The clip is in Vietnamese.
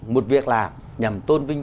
một việc làm nhằm tôn vinh